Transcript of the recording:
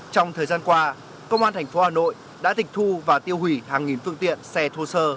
trong thời gian qua công an thành phố hà nội đã tịch thu và tiêu hủy hàng nghìn phương tiện xe thô sơ